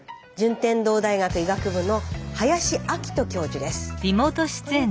順天堂大学医学部の林明人教授です。